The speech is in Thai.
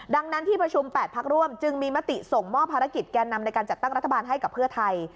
ดังนั้นที่ประชุม๘พักร่วมจึงมีมติส่งมอบภารกิจแก่นำในการจัดตั้งรัฐบาลให้กับเพื่อไทย